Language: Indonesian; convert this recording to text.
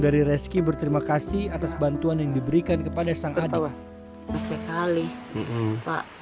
dari reski berterima kasih atas bantuan yang diberikan kepada sang adik sekali pak